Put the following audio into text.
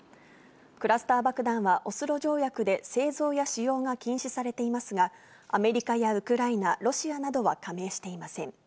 クラスター爆弾は、オスロ条約で製造や使用が禁止されていますが、アメリカやウクライナ、ロシアなどは加盟していません。